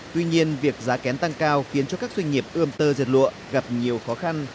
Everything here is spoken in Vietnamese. tuy nhiên việc giá kén tăng cao khiến cho các doanh nghiệp ươm tơ dệt lụa gặp nhiều khó khăn